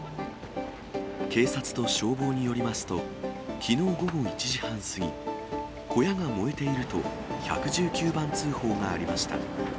警察と消防によりますと、きのう午後１時半過ぎ、小屋が燃えていると、１１９番通報がありました。